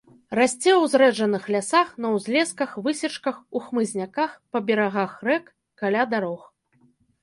Расце ў зрэджаных лясах, на ўзлесках, высечках, у хмызняках, па берагах рэк, каля дарог.